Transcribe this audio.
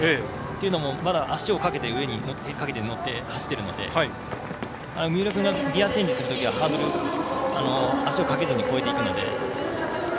というのもまだ足をかけて乗って走っているので、三浦君ギヤチェンジするときは足をかけずに越えていくので。